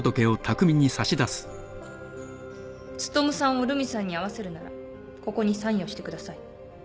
努さんを留美さんに会わせるならここにサインをしてください。